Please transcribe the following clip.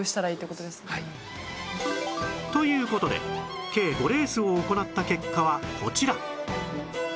という事で計５レースを行った結果はこちら